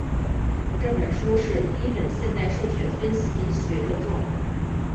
这本书是第一本现代数学分析学着作。